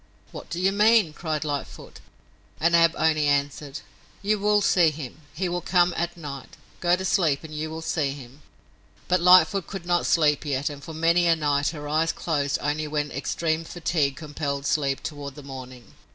"What do you mean?" cried Lightfoot. And Ab only answered, "You will see him; he will come at night. Go to sleep, and you will see him." But Lightfoot could not sleep yet and for many a night her eyes closed only when extreme fatigue compelled sleep toward the morning.